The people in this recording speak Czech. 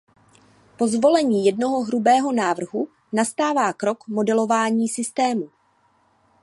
Po zvolení jednoho hrubého návrhu nastává krok modelování systému.